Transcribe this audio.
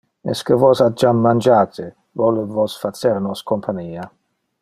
Esque vos ha jam mangiate? Vole vos facer nos compania?